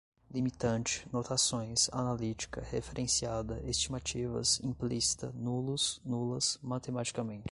limitante, notações, analítica, referenciada, estimativas, implícita, nulos, nulas, matematicamente